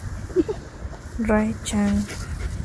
Rae Chang.